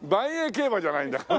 競馬じゃないんだから。